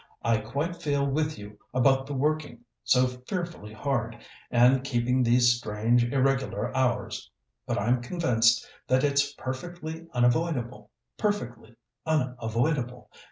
I quite feel with you about the working so fearfully hard, and keeping these strange, irregular hours, but I'm convinced that it's perfectly unavoidable perfectly unavoidable.